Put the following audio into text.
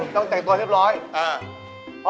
ต้องแต่งตัวเรียบร้อยอ่า